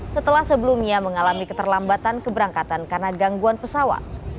setelah sebelumnya mengalami keterlambatan keberangkatan karena gangguan pesawat